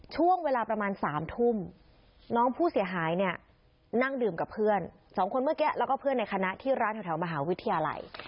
ช่วงเวลาประมาณ๓ทุ่มน้องผู้เสียหายเนี่ยนั่งดื่มกับเพื่อนสองคนเมื่อกี้แล้วก็เพื่อนในคณะที่ร้านแถวมหาวิทยาลัย